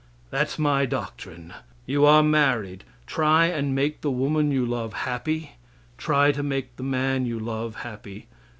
That's my doctrine. You are married; try and make the woman you love happy; try and make the man you love happy.